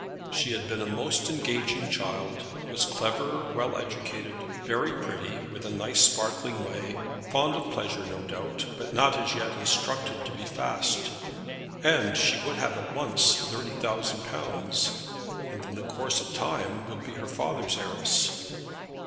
She had been a most engaging child, was clever, well educated, very pretty, with a nice sparkling way, fond of pleasure no doubt, but not as yet instructed to be fast. And now she would have at once thirty thousand pounds, and in course of time would be her father's heiress.